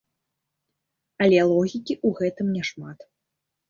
Але логікі ў гэтым няшмат.